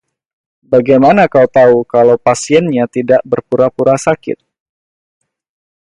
Bagaimana kau tahu kalau pasiennya tidak berpura-pura sakit?